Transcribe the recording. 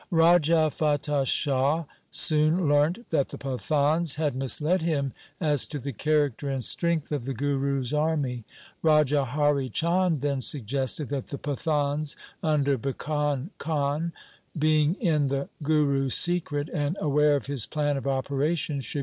Raja Fatah Shah soon learnt that the Pathans had misled him as to the character and strength of the Guru's army. Raja Hari Chand then suggested that the Pathans under Bhikan Khan, being in the Guru's secret and aware of his plan of operations, should be sent to the front.